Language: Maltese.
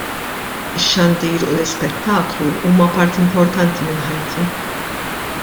Ix-xandir u l-ispettaklu huma parti importanti minn ħajti.